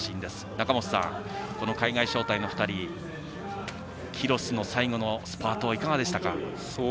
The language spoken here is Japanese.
中本さん、海外招待の２人キロスの最後のスパートいかがでしたか？